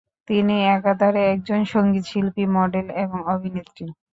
তিনি একাধারে একজন সংগীতশিল্পী, মডেল এবং অভিনেত্রী।